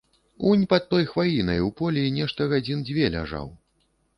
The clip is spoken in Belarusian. Унь пад той хваінай у полі нешта гадзін дзве ляжаў.